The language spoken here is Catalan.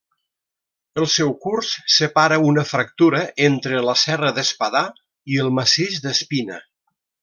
El seu curs separa una fractura entre la serra d'Espadà i el massís d'Espina.